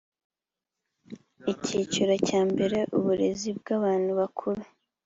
icyiciro cyambere uburezi bw abantu bakuru